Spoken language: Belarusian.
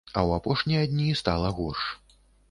А ў апошнія дні стала горш.